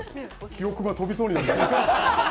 記憶が飛びそうになりました。